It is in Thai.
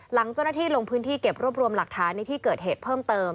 หลังเจ้าหน้าที่ลงพื้นที่เก็บรวบรวมหลักฐานในที่เกิดเหตุเพิ่มเติม